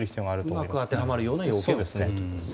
うまく当てはまるような要件を。